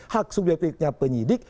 hak subjektifnya penyidik